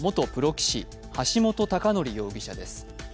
棋士橋本崇載容疑者です。